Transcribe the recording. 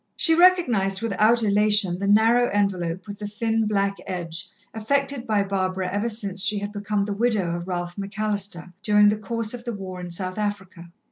She recognized without elation the narrow envelope with the thin black edge affected by Barbara ever since she had become the widow of Ralph McAllister, during the course of the war in South Africa.